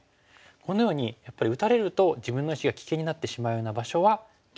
このようにやっぱり打たれると自分の石が危険になってしまうような場所は急場。